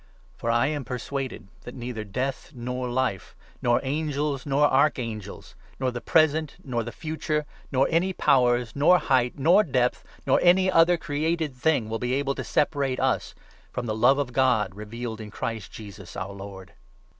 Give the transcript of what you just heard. For I am persuaded that neither Death, nor 38 Life, nor Angels, nor Archangels, nor the Present, nor the Future, nor any Powers, nor Height, nor Depth, nor any 39 other created thing, will be able to separate us from the love of God revealed in Christ Jesus, our Lord